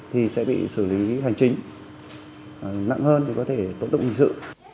thì sẽ bị xử lý hành chính nặng hơn để có thể tổn thụ hình sự